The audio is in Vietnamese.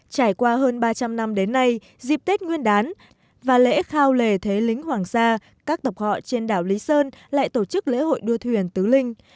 trải qua hơn ba trăm linh năm đến nay dịp tết nguyên đán và lễ khao lề thế lính hoàng sa các tộc họ trên đảo lý sơn lại tổ chức lễ hội đua thuyền tứ linh